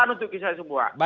sehat selalu untuk kita semua